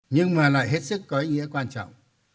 nhưng mà lại hết sức có ý nghĩa quan trọng